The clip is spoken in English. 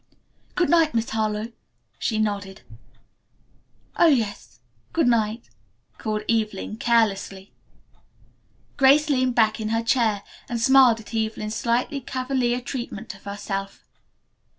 "Good night, Miss Harlowe," she nodded. "Oh, yes, good night," called Evelyn carelessly. Grace leaned back in her chair and smiled at Evelyn's slightly cavalier treatment of herself.